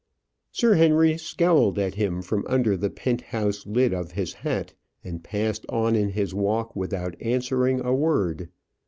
Sir Henry scowled at him from under the penthouse lid of his hat, and passed on in his walk, without answering a word.